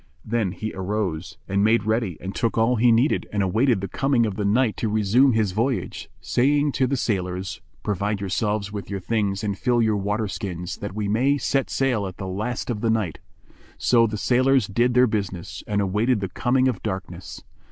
Then he arose and made ready and took all he needed and awaited the coming of the night to resume his voyage, saying to the sailors, "Provide yourselves with your things and fill your water skins, that we may set sail at the last of the night." So the sailors did their business and awaited the coming of darkness.